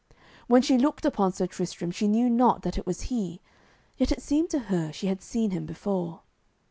When she looked upon Sir Tristram she knew not that it was he, yet it seemed to her she had seen him before.